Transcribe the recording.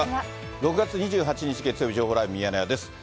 ６月２８日月曜日、情報ライブミヤネ屋です。